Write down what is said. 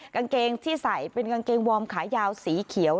กางเกงที่ใส่เป็นกางเกงวอร์มขายาวสีเขียว